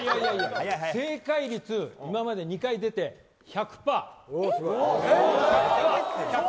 正解率今まで２回出て１００％。